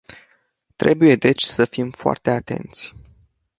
Trebuie deci să fim foarte atenți.